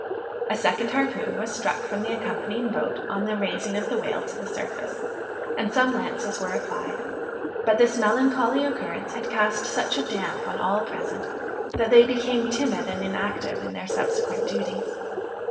A second harpoon was struck from the accompanying boat on the raising of the whale to the surface, and some lances were applied, but this melancholy occurrence had cast such a damp on all present, that they became timid and inactive in their subsequent duties.